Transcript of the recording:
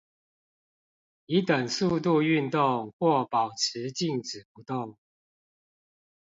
以等速度運動或保持靜止不動